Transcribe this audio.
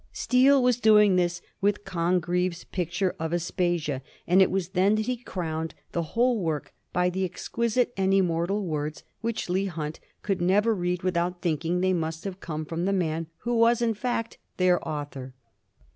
Steele was doing this with Congreve's picture of Aspasia, and it was then that he crowned the whole work by the exquisite and immortal words which Leigh Hunt could never read without thinking they must have come from the man who was in fact their author.